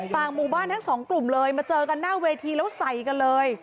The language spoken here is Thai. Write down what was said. ต่างหมู่บ้านทั้งสองกลุ่มเลยมาเจอกันหน้าเวทีแล้วใส่กันเลย